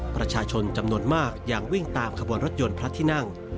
ประชาชนจำนวนมากยังวิ่งตามขบวนรถยนต์พระที่นั่ง